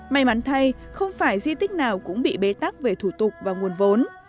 may mắn thay không phải di tích nào cũng bị bế tắc về thủ tục và nguồn vốn